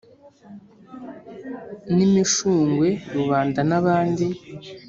nimushungwe rubanda n'abandi